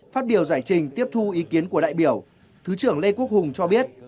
phát biểu giải trình tiếp thu ý kiến của đại biểu thứ trưởng lê quốc hùng cho biết